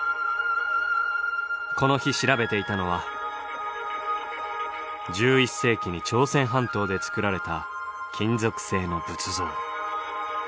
この日調べていたのは１１世紀に朝鮮半島で作られた金属製の仏像。